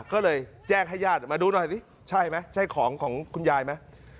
ก็เลยแจ้งให้ญาติมาดูหน่อยสิใช่ไหมใช่ของของคุณยายไหม